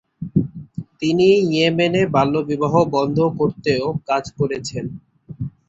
তিনি ইয়েমেনে বাল্যবিবাহ বন্ধ করতেও কাজ করেছেন।